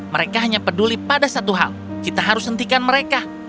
mereka hanya peduli pada satu hal kita harus hentikan mereka